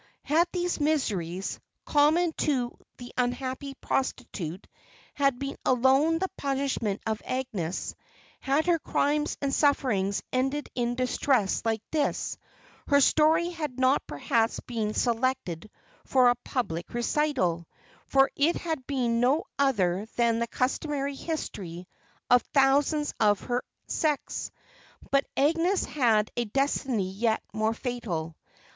Had these miseries, common to the unhappy prostitute, been alone the punishment of Agnes had her crimes and sufferings ended in distress like this, her story had not perhaps been selected for a public recital; for it had been no other than the customary history of thousands of her sex. But Agnes had a destiny yet more fatal.